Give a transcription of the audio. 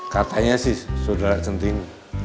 katanya sih saudara centini